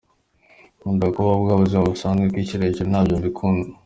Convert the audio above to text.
Nkunda kubaho bwa buzima busanzwe, kwishyira hejuru ntabwo mbikunda.